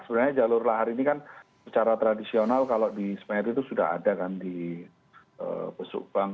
sebenarnya jalur lahar ini kan secara tradisional kalau di smeri itu sudah ada kan di besukbang